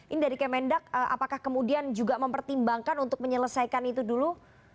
ini dari kemendak apakah kemudian juga mempertimbangkan untuk menyelesaikan itu dulu